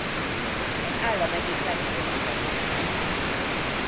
Az állam egyik legnagyobb ipari központja.